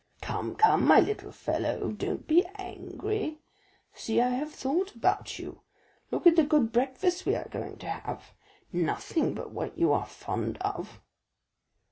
"Come, come, my little fellow, don't be angry. See, I have thought about you—look at the good breakfast we are going to have; nothing but what you are fond of."